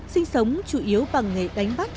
sinh sống chủ yếu bằng nghề đánh bắt